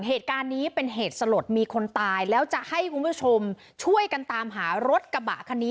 เหตุการณ์นี้เป็นเหตุสลดมีคนตายแล้วจะให้คุณผู้ชมช่วยกันตามหารถกระบะคันนี้